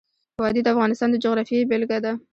وادي د افغانستان د جغرافیې بېلګه ده.